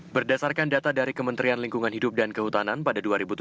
berdasarkan data dari kementerian lingkungan hidup dan kehutanan pada dua ribu tujuh belas